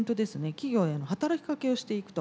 企業への働きかけをしていくと。